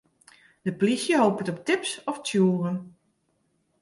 De polysje hopet op tips of tsjûgen.